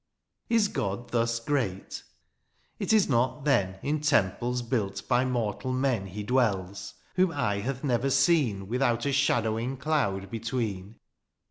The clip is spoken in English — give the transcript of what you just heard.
^^ Is God thus great ? It is not, then, " In temples built by mortal men, *' He dwells, whom eye hath never seen ^^ Without a shadowing cloud between.